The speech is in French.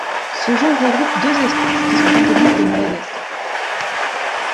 Ce genre regroupe deux espèces qui sont endémiques de Madagascar.